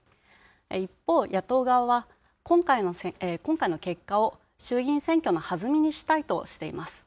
一方、野党側は、今回の結果を衆議院選挙の弾みにしたいとしています。